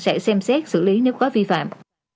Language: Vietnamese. sẽ xem xét xử lý nếu có vi phạm